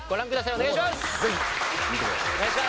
お願いします。